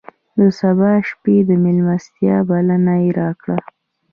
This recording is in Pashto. د سبا شپې د مېلمستیا بلنه یې راکړه.